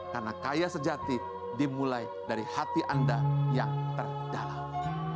karena kaya sejati dimulai dari hati anda yang terdalam